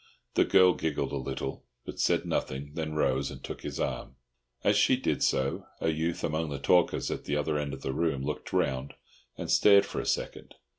The girl giggled a little, but said nothing, then rose and took his arm. As she did so, a youth among the talkers at the other end of the room looked round, and stared for a second.